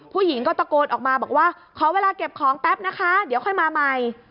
ผู้หญิงก็ตะโกนออกมาบอกว่าขอเวลาเก็บของแป๊บนะคะเดี๋ยวค่อยมาใหม่